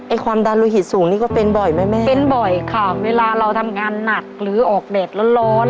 ความดันโลหิตสูงนี่ก็เป็นบ่อยไหมแม่เป็นบ่อยค่ะเวลาเราทำงานหนักหรือออกแดดร้อนร้อน